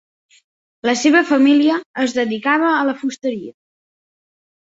La seva família es dedicava a la fusteria.